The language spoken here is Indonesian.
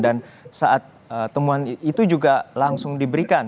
dan saat temuan itu juga langsung diberikan